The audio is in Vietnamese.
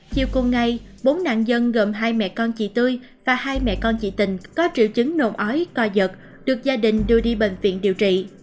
chiều cùng ngày bốn nạn nhân gồm hai mẹ con chị tươi và hai mẹ con chị tình có triệu chứng nồn ói co giật được gia đình đưa đi bệnh viện điều trị